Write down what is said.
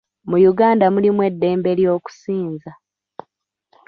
Mu Uganda mulimu eddembe ly'okusinza.